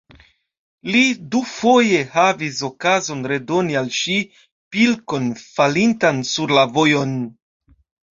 Li dufoje havis okazon redoni al ŝi pilkon falintan sur la vojon.